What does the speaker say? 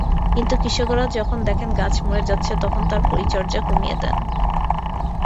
কিন্তু কৃষকেরা যখন দেখেন গাছ মরে যাচ্ছে, তখন তাঁরা পরিচর্যা কমিয়ে দেন।